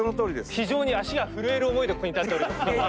非常に足が震える思いでここに立っております。